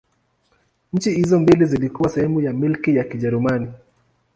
Nchi hizo mbili zilikuwa sehemu ya Milki ya Kijerumani.